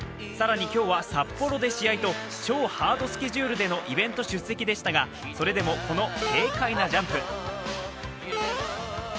更に今日は札幌で試合と超ハードスケジュールでのイベント出席でしたが、それでもこの軽快なジャンプ。